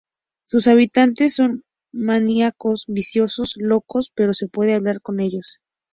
Sus habitantes son maníacos, viciosos, locos, pero se puede hablar con ellos.